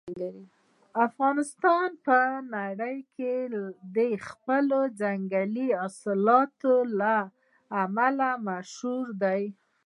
افغانستان په نړۍ کې د خپلو ځنګلي حاصلاتو له امله مشهور دی.